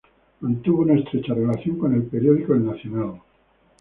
Mantuvo una estrecha relación con el periódico El Nacional.